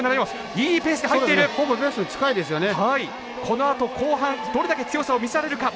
このあと後半どれだけ強さを見せられるか。